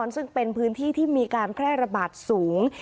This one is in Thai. ซึ่งเป็นพื้นที่ที่มีการแพร่ระบาดสูง